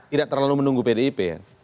tidak terlalu menunggu pdip ya